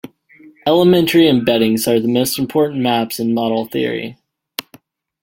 Elementary embeddings are the most important maps in model theory.